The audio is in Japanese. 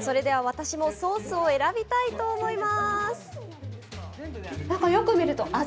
それでは私もソースを選びたいと思います。